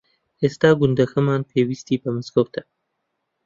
ئێستا گوندەکەمان پێویستی بە مزگەوتە.